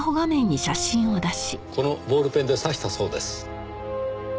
このボールペンで刺したそうです。